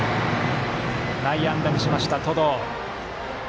内野安打にしました、登藤。